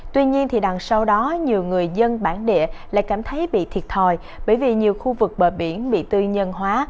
tuy nhiên đằng sau đó nhiều người dân bản địa lại cảm thấy bị thiệt thòi bởi vì nhiều khu vực bờ biển bị tư nhân hóa